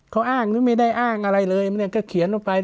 เขาอ้างหรือไม่ได้อ้างอะไรเลยเนี่ยก็เขียนออกไป